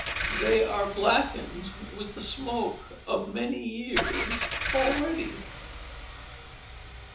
They are blackened with the smoke of many years already.